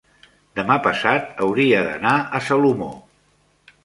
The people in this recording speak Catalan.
demà passat hauria d'anar a Salomó.